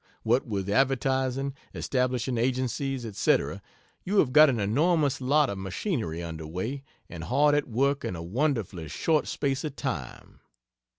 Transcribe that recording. What with advertising, establishing agencies, &c., you have got an enormous lot of machinery under way and hard at work in a wonderfully short space of time.